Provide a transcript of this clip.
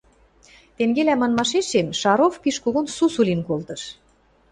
Тенгелӓ манмашешем Шаров пиш когон сусу лин колтыш.